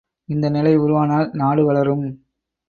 இந்த நிலை உருவானால் நாடு வளரும்!